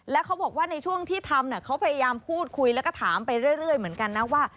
แล้วเขาบอกว่าในช่วงที่ทำเขาพยายามพูดคุยแล้วก็ถามไปเรื่อยเหมือนกันนะว่า